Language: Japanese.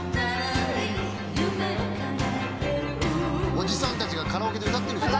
おじさんたちがカラオケで歌ってるでしょ。